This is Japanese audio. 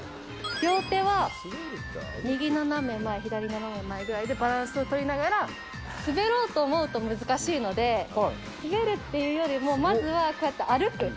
両手は右斜め前、左斜め前ぐらいでバランスを取りながら、滑ろうと思うと難しいので、滑るっていうよりも、まずはこうやって歩く。